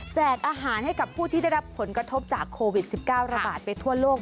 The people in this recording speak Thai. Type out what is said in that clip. อาหารให้กับผู้ที่ได้รับผลกระทบจากโควิด๑๙ระบาดไปทั่วโลก